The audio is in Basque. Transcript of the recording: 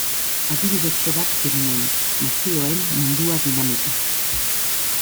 Adibidetxo bat genuen, Nazioen Mundua dinamika.